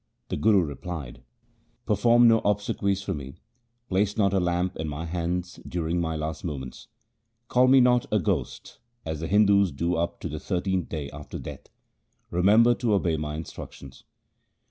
The Guru replied, ' Perform no obsequies for me, place not a lamp in my hands during my last moments. Call me not a ghost as the Hindus do up to the thirteenth day after death. Remember to obey my instructions.'